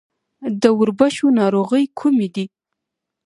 د وربشو ناروغۍ کومې دي؟